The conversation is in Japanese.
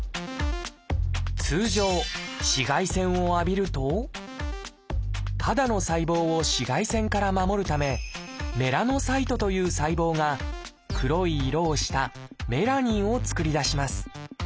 通常紫外線を浴びると肌の細胞を紫外線から守るため「メラノサイト」という細胞が黒い色をした「メラニン」を作り出します。